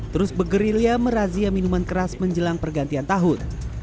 terus bergerilya merazia minuman keras menjelang pergantian tahun